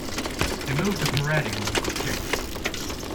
He moved to Paraty when he was two.